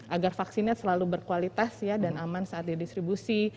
agar vaksinnya selalu berkualitas dan aman saat didistribusi